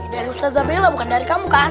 dari zazzabela bukan dari kamu kan